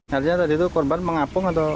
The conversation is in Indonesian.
artinya tadi itu korban mengapung atau